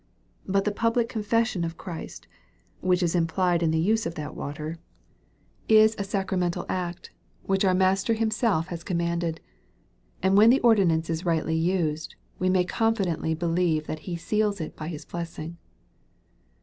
But the public confession of Christ, which is implied in the use of that water, is ^ MARK, CHAP. XVI. 865 sacramental act, which our Master Himself has com manded ; and when the ordinance is rightly used, we may confidently believe that He seals it by His blessing.